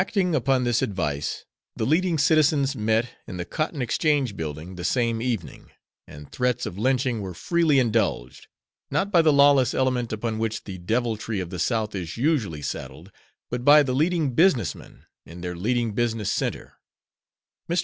Acting upon this advice, the leading citizens met in the Cotton Exchange Building the same evening, and threats of lynching were freely indulged, not by the lawless element upon which the deviltry of the South is usually saddled but by the leading business men, in their leading business centre. Mr.